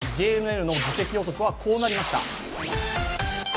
ＪＮＮの議席予測はこうなりました。